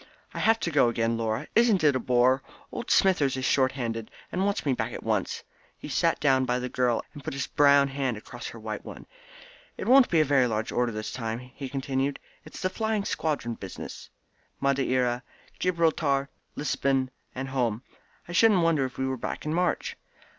"I have to go again, Laura. Isn't it a bore? Old Smithers is short handed, and wants me back at once." He sat down by the girl, and put his brown hand across her white one. "It won't be a very large order this time," he continued. "It's the flying squadron business Madeira, Gibraltar, Lisbon, and home. I shouldn't wonder if we were back in March."